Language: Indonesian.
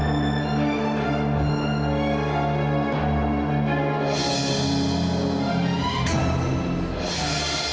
tidak ada apa apa